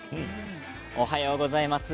おはようございます。